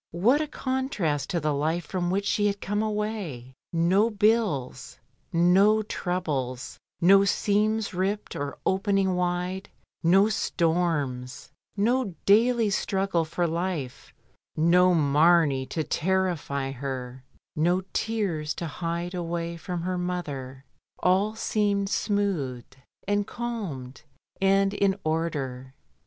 What a contrast to the life from which she had come away — no bills, no troubles, no seams ripped and opening wide, no storms, no daily struggle for life, noMamey to terrify her, no tears to hide away from her mother. All seemed smoothed, and calmed, and in order.